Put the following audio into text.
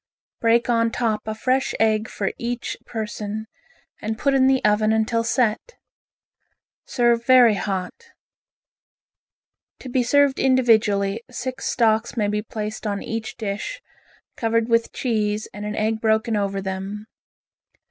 Break on top a fresh egg for each person, and put in the oven until set. Serve very hot. To be served individually, six stalks may be placed on each dish, covered with cheese, and an egg broken over them.